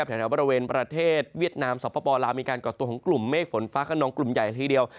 แถวบริเวณประเทศเวียดนามสปลาวมีการก่อตัวของกลุ่มเมฆฝนฟ้าขนองกลุ่มใหญ่ละทีเดียว